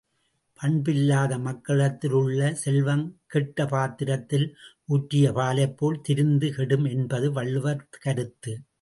பண்பில்லாத மக்களிடத்தில் உள்ள செல்வம் கெட்ட பாத்திரத்தில் ஊற்றிய பாலைப்போல் திரிந்து கெடும் என்பது வள்ளுவர் கருத்து.